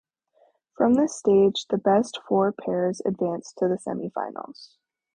From this stage the best four pairs advanced to the semifinals.